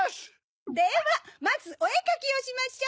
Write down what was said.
ではまずおえかきをしましょう！